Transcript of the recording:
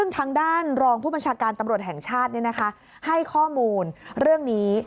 ทางด้านรองผู้บัญชาการตำรวจแห่งชาติให้ข้อมูลเรื่องนี้